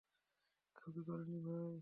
কাউকে করিনি, ভাই।